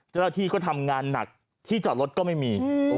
เจ้าหน้าที่ก็ทำงานหนักที่จอดรถก็ไม่มี